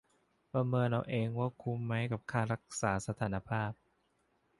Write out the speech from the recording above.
ประเมินเอาเองว่าคุ้มไหมกับค่ารักษาสภานภาพ